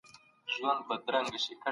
لوستې مور د کور پاک ساتلو ته هڅونه کوي.